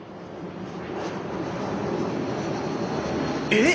えっ！？